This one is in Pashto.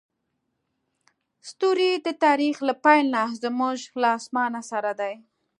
ستوري د تاریخ له پیل نه زموږ له اسمان سره دي.